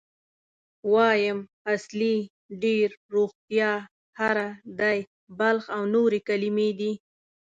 وایم، اصلي، ډېر، روغتیا، هره، دی، بلخ او نورې کلمې دي.